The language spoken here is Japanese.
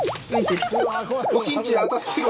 おちんちん当たってる。